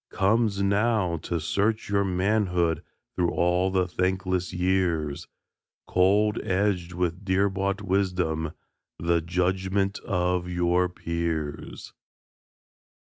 Comes now, to search your manhood Through all the thankless years, Cold, edged with dear bought wisdom, The judgment of your peers!